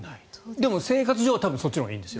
でも多分、生活上はそっちのほうがいいんですよ。